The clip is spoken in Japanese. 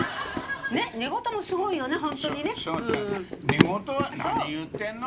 寝言は何言ってんの。